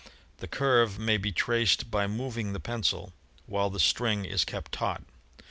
The curve may be traced by moving the pencil, while the string is kept taut.